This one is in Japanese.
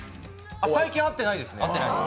最近、会っていないですね。